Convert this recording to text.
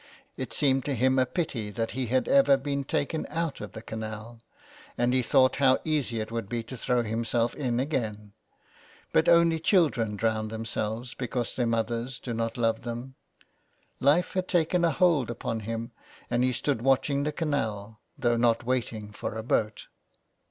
It seemed to him a pity that he had ever been taken out of the canal, and he thought how easy it would be to throw himself in again, but only children drown themselves because their mothers do not love them ; life had taken a hold upon him, and he stood watching the canal, though not waiting for a boat.